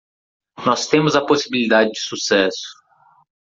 Nós temos a possibilidade de sucesso